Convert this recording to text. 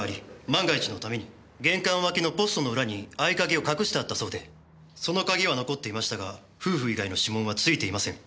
万が一のために玄関脇のポストの裏に合い鍵を隠してあったそうでその鍵は残っていましたが夫婦以外の指紋はついていません。